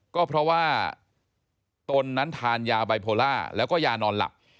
ก็เพราะว่าตนนั้นทานยาไบโพล่าแล้วก็ยานอนหลับ